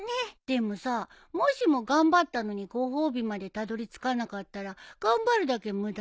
でもさもしも頑張ったのにご褒美までたどりつかなかったら頑張るだけ無駄じゃない？